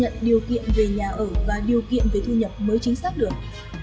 hãy xác nhận điều kiện về nhà ở và điều kiện về thu nhập mới chính xác được